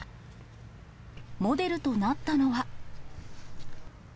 モデルとなったのは。